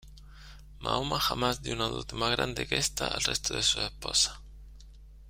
Mahoma jamás dio una dote más grande que esta al resto de sus esposas.